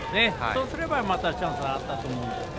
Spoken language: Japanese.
そうすれば、またチャンスはあったと思います。